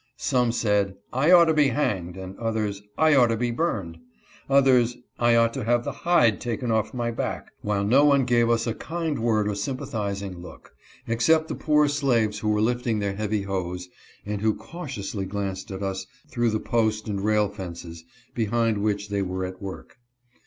Some said " I ought to be hanged," and others, "JT ought to be burned "; others, I ought to have the "hide" taken off my back ; while no one gave us a kind word or sympa thizing look, except the poor slaves who were lifting their heavy hoes, and who cautiously glanced at us through the post and rail fences, behind which they were at work.